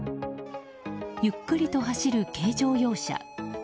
ゆっくりと走る軽乗用車。